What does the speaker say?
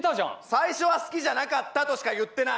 「最初は好きじゃなかった」としか言ってない！